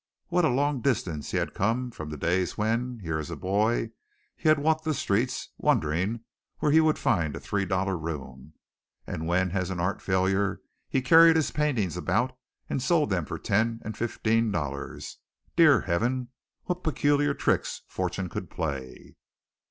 What a long distance he had come from the days when, here as a boy, he had walked the streets, wondering where he would find a $3 room, and when as an art failure he carried his paintings about and sold them for ten and fifteen dollars. Dear Heaven, what peculiar tricks fortune could play!